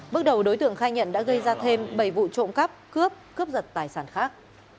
bước đầu đối tượng khai nhận đã gây ra thêm bảy vụ trộm cắp cướp cướp giật tài sản khác